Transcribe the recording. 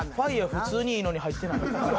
普通にいいのに入ってない。